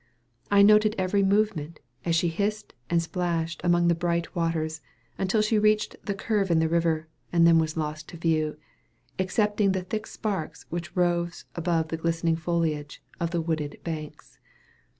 I noted every movement, as she hissed and splashed among the bright waters, until she reached the curve in the river, and then was lost to view, excepting the thick sparks which rose above the glistening foilage of the wooded banks.